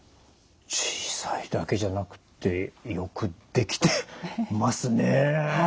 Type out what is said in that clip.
小さいだけじゃなくってよく出来てますね。